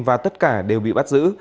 và tất cả đều bị bắt giữ